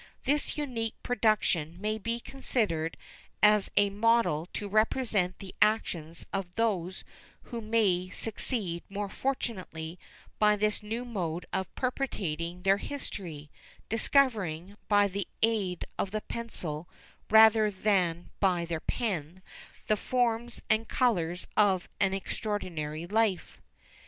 This unique production may be considered as a model to represent the actions of those who may succeed more fortunately by this new mode of perpetuating their history; discovering, by the aid of the pencil, rather than by their pen, the forms and colours of an extraordinary life.